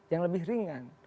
yang lebih ringan